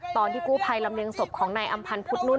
ตอนที่กู้ภัยลำเรียงศพของนายอำพันธ์พุทธนุ่น